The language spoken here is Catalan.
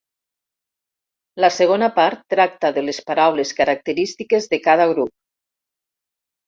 La segona part tracta de les paraules característiques de cada grup.